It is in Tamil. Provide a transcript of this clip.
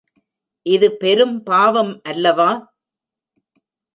இது பெரும் பாவம் அல்லவா?